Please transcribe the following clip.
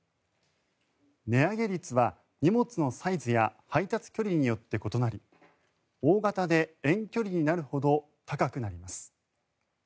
値上げ率は荷物のサイズや配達距離によって異なり大型で遠距離になるほど高くなります。